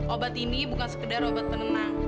obat ini bukan sekedar obat penenang